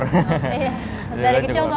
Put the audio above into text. dari kecil soalnya emang jarang berantem sih